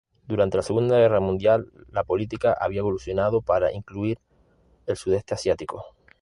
Durante la Segunda Guerra Mundial, la política había evolucionado para incluir el Sudeste Asiático.